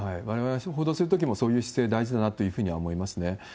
われわれが報道するときもそういう姿勢大事だなというふうに思いますね。